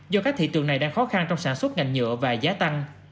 do các thị trường này đang khó khăn trong sản xuất ngành nhựa và giá tăng